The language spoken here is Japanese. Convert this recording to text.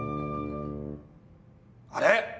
あれ？